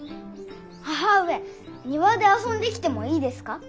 母上庭で遊んできてもいいですか。